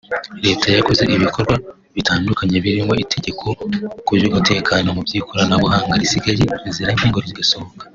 Leta yakoze ibikorw abitandukanye birimo itegeko ku by’umutekano mu by’ikoranabuhanga risigaje inzira nke rigasohoka